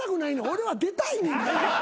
俺は出たいねんから。